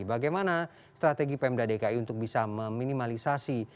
bagaimana strategi pemda dki untuk bisa meminimalisasi